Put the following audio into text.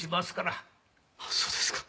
あっそうですか。